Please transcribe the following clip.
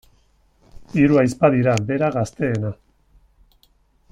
Hiru ahizpa dira, bera gazteena.